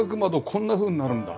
こんなふうになるんだ。